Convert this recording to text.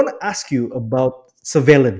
gita saya ingin bertanya tentang